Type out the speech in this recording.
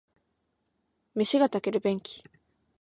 飯が炊ける便器